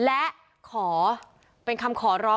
เพราะว่าตอนนี้จริงสมุทรสาของเนี่ยลดระดับลงมาแล้วกลายเป็นพื้นที่สีส้ม